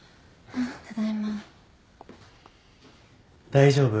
大丈夫？